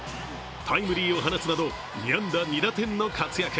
タイムリーを放つなど２安打２打点の活躍。